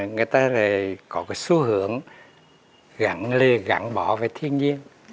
người ta có cái xu hưởng gắn lê gắn bỏ về thiên nhiên